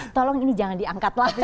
tolong ini jangan diangkat lagi